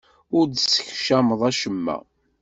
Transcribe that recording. Ur d-teskecmeḍ acemma.